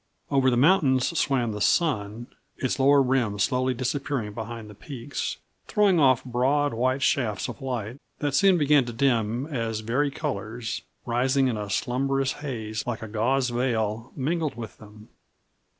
Over the mountains swam the sun, its lower rim slowly disappearing behind the peaks, throwing off broad white shafts of light that soon began to dim as vari colors, rising in a slumberous haze like a gauze veil, mingled with them.